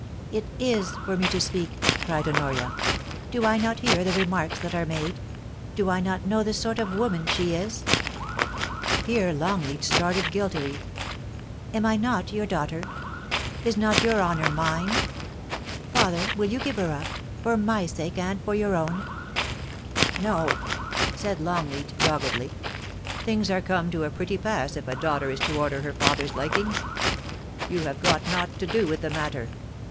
* It is for me to speak !' cried Honoria. * Do I not hear the remarks that are made ? Do I not know the sort of woman she is?* (Here Longleat started guiltily.) 'Am I not your daughter ? Is not your honour mine ? Father, will you give her up — for fny sake and for your own Y ' No,' said Longleat, doggedly. * Things are come to a pretty pass if a daughter is to order her father's likings. You have got nought to do with the matter.